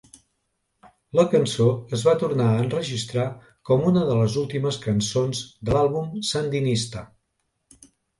La cançó es va tornar a enregistrar com una de les últimes cançons de l'àlbum "Sandinista!"